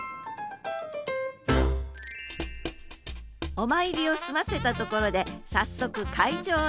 お参りを済ませたところで早速会場へ。